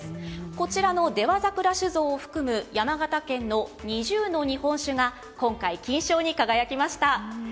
こちらの出羽桜酒造を含む山形県の２０の日本酒が今回、金賞に輝きました。